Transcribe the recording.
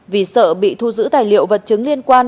vì sợ bị thu giữ tài liệu vật chứng liên quan